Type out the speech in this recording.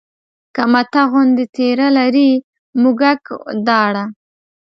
که مته غوندې تېره لري مږک داړه